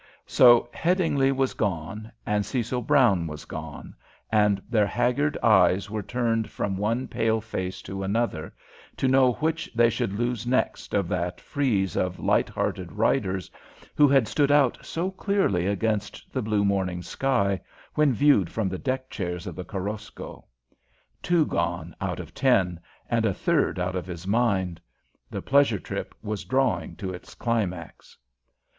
So Headingly was gone, and Cecil Brown was gone, and their haggard eyes were turned from one pale face to another, to know which they should lose next of that frieze of light hearted riders who had stood out so clearly against the blue morning sky, when viewed from the deck chairs of the Korosko. Two gone out of ten, and a third out of his mind. The pleasure trip was drawing to its climax.